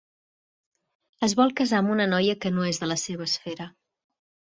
Es vol casar amb una noia que no és de la seva esfera.